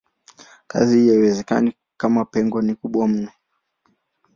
Kazi hii haiwezekani kama pengo ni kubwa mno.